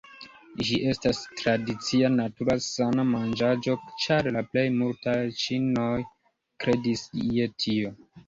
Ĝi estas tradicia natura sana manĝaĵo ĉar la plej multaj ĉinoj kredis je tio.